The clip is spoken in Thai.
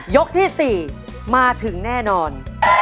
ที่๔มาถึงแน่นอน